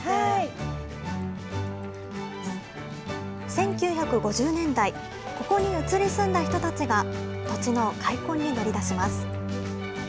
１９５０年代、ここに移り住んだ人たちが、土地の開墾に乗り出します。